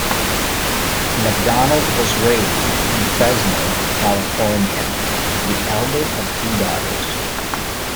McDonald was raised in Fresno, California, the elder of two daughters.